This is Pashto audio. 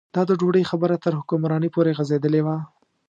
دا د ډوډۍ خبره تر حکمرانۍ پورې غځېدلې وه.